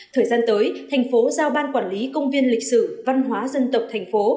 thời gian tới thành phố giao ban quản lý công viên lịch sử văn hóa dân tộc thành phố